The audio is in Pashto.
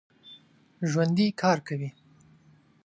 ژوندي کار کوي